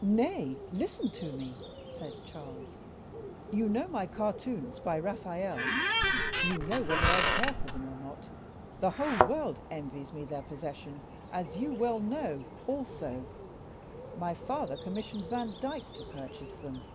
"Nay, listen to me," said Charles, "you know my cartoons by Raphael; you know whether I care for them or not; the whole world envies me their possession, as you well know also; my father commissioned Van Dyck to purchase them.